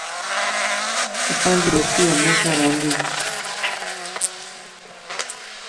اسانجي دوستي ھميشا رھندي